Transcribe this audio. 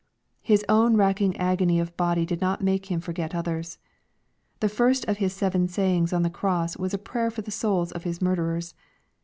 '' His own racking agony of body did not make Him forget others. The first of His seven sayings on the cross was a prayer for the souls of His murderers.